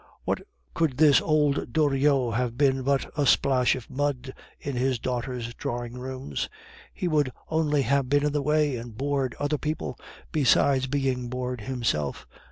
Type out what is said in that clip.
What could this old Doriot have been but a splash of mud in his daughters' drawing rooms? He would only have been in the way, and bored other people, besides being bored himself.